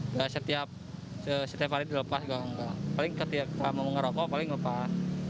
gak setiap setiap hari dilepas paling ketika mau ngeropo paling lepas